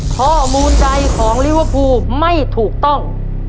ข้อมูลใดของลิเวอร์พูลไม่ถูกต้อง